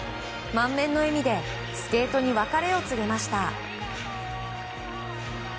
満面の笑みでスケートに別れを告げました。